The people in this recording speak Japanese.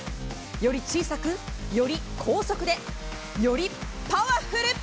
より小さく、より高速で、よりパワフル！